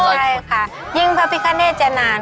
ใช่ค่ะยิ่งพระพิคเนตจะนาน